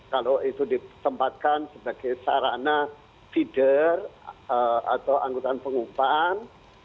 kalau itu ditempatkan sebagai sarana feeder atau anggota pengumpahan